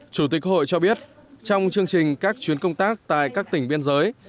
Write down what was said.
chủ tịch hội cho biết trong chương trình các chuyến công tác tại các tỉnh biên giới